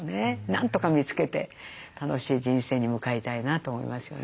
なんとか見つけて楽しい人生に向かいたいなと思いますよね。